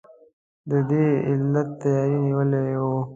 د دې علت تیاری نیول وو.